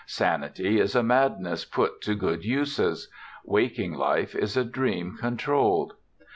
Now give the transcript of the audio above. Sanity is a madness put to good uses; waking life is a dream controlled.